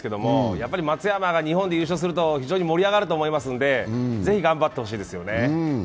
やっぱり松山が日本で優勝すると非常に盛り上がると思いますのでぜひ頑張ってほしいですよね。